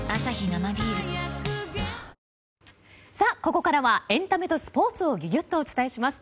ここからはエンタメとスポーツをギュギュっとお伝えします。